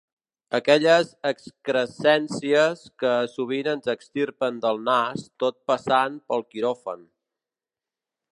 Aquelles excrescències que sovint ens extirpen del nas tot passant pel quiròfan.